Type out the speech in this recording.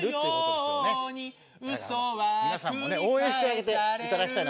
だから皆さんもね応援してあげていただきたい。